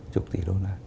chục tỷ đô la